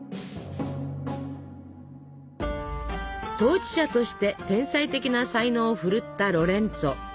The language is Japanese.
統治者として天才的な才能をふるったロレンツォ。